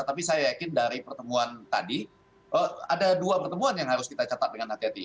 tapi saya yakin dari pertemuan tadi ada dua pertemuan yang harus kita catat dengan hati hati